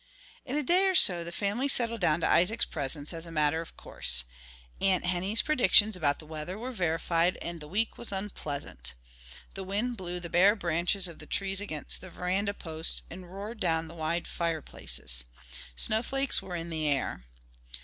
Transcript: In a day or so the family settled down to Isaac's presence as a matter of course. Aunt Henny's predictions about the weather were verified, and the week was unpleasant. The wind blew the bare branches of the trees against the veranda posts and roared down the wide fireplaces; snowflakes were in the air.